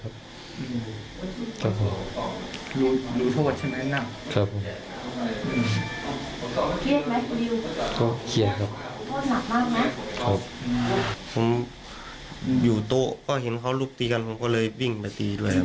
ผมอยู่โต๊ะก็เห็นเขาลุกตีกันผมก็เลยวิ่งมาตีด้วย